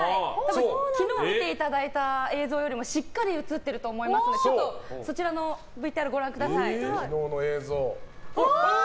昨日、見ていただいた映像よりもしっかりと映っていると思いますのでちょっとそちらのＶＴＲご覧ください。